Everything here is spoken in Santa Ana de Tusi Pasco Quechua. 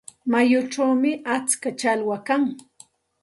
Mayuchawmi atska challwa kan.